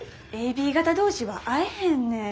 ＡＢ型同士は合えへんねん。